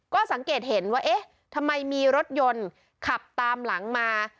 ก็สังเกตเห็นว่าเอ๊ะทำไมมีรถยนต์ขับตามหลังมา